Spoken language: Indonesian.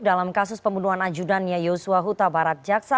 dalam kasus pembunuhan ajudannya yosua huta barat jaksa